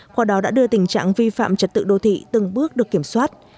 qua đó đã đưa tình trạng vi phạm trật tự đô thị từng bước được kiểm soát